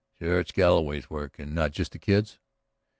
"Sure it's Galloway's work and not just the Kid's?"